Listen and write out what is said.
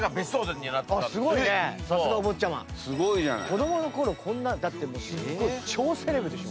子供のころこんなだってすっごい超セレブでしょ。